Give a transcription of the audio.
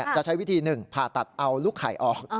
จะใช้วิธี๑ผ่าตัดเอาลูกไข่ออก